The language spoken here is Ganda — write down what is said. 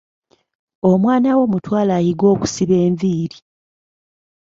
Omwana wo mutwale ayige okusiba enviiri.